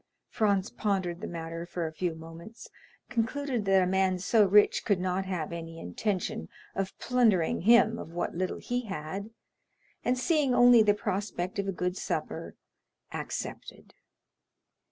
Franz pondered the matter for a few moments, concluded that a man so rich could not have any intention of plundering him of what little he had, and seeing only the prospect of a good supper, accepted.